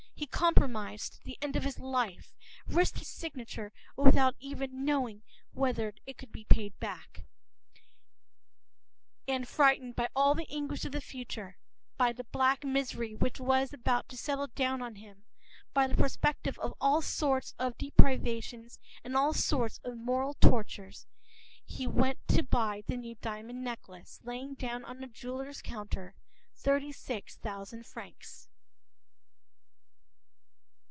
He compromised the end of his life, risked his signature without even knowing whether it could be honored; and, frightened by all the anguish of the future, by the black misery which was about to settle down on him, by the perspective of all sorts of physical deprivations and of all sorts of moral tortures, he went to buy the new diamond necklace, laying down on the jeweler’s counter thirty six thousand francs.